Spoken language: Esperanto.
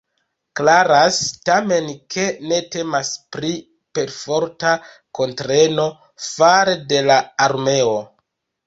Klaras, tamen, ke ne temas pri perforta kuntreno fare de la armeo.